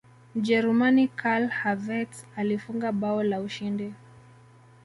mjerumani karl havertz alifunga bao la ushindi